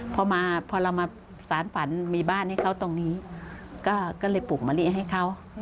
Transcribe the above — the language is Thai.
พอมาพอเรามาสารฝันมีบ้านให้เขาตรงนี้ก็เลยปลูกมะลิให้เขา